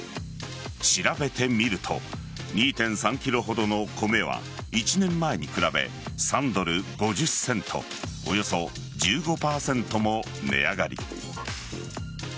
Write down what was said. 調べてみると２．３ｋｇほどの米は１年前に比べ３ドル５０セントおよそ１５％も値上がり。